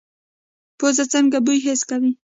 پوزه څنګه بوی حس کوي؟